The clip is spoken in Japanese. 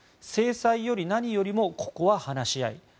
制裁より何よりもここは話し合い